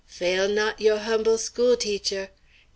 fail not yo' humble school teacher!